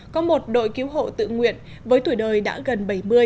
có một đội cứu hộ tự nguyện với tuổi đời đã gần bảy mươi